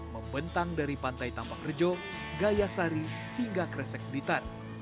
membentang dari pantai tampak rejo gaya sari hingga kresek blitar